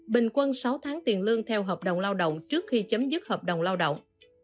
bình quân sáu tháng tiền lương theo hợp đồng lao động trước khi chấm dứt hợp đồng lao động